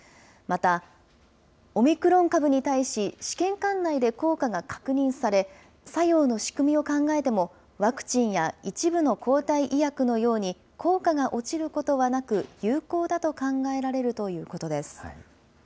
また、オミクロン株に対し、試験管内で効果が確認され、作用の仕組みを考えても、ワクチンや一部の抗体医薬のように、効果が落ちることはなく、有効だと考えられるということです。